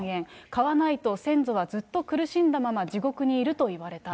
買わないと先祖はずっと苦しんだまま地獄に落ちると言われた。